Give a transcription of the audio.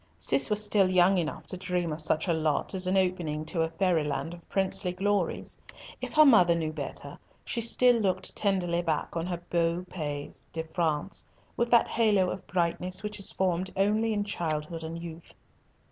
Cis was still young enough to dream of such a lot as an opening to a fairy land of princely glories. If her mother knew better, she still looked tenderly back on her beau pays de France with that halo of brightness which is formed only in childhood and youth.